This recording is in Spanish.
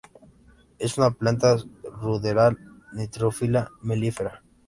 Es una planta Ruderal-nitrófila melífera.